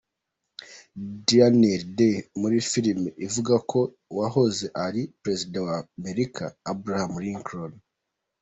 Daniel Day muri filime ivuga ku wahoze ari perezida wa Amerika Abraham Lincoln.